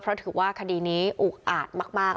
เพราะถือว่าคดีนี้อุกอาจมาก